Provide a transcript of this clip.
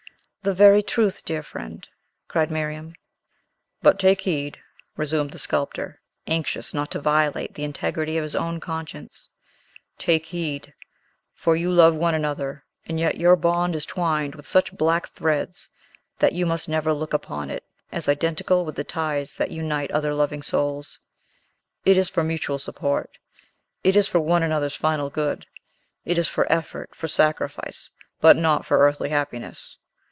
"The very truth, dear friend," cried Miriam. "But take heed," resumed the sculptor, anxious not to violate the integrity of his own conscience, "take heed; for you love one another, and yet your bond is twined with such black threads that you must never look upon it as identical with the ties that unite other loving souls. It is for mutual support; it is for one another's final good; it is for effort, for sacrifice, but not for earthly happiness.